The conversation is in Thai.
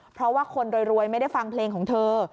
เพราะว่าคนรวยไม่ได้ฟังเพลงของเธอ